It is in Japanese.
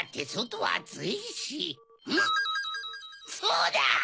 そうだ！